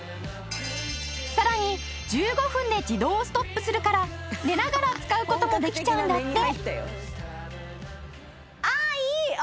さらに１５分で自動ストップするから寝ながら使う事もできちゃうんだって。